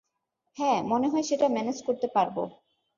হ্যাঁ, মনে হয় সেটা ম্যানেজ করতে পারবো।